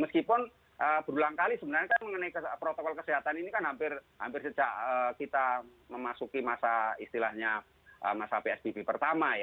meskipun berulang kali sebenarnya kan mengenai protokol kesehatan ini kan hampir sejak kita memasuki masa istilahnya masa psbb pertama ya